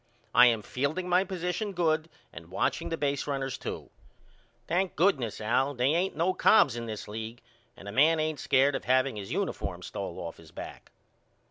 I am fielding my position good and watching the baserunners to. Thank goodness Al they ain't no Cobbs in this league and a man ain't scared of haveing his uniform stole off his back.